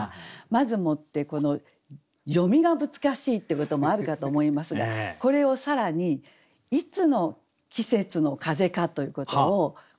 まずもってこの読みが難しいってこともあるかと思いますがこれを更にいつの季節の風かということを答えて頂きたいと思うんですね。